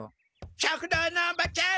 食堂のおばちゃん。